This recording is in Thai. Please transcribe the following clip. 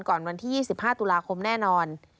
วันที่๒๕ตุลาคมแน่นอน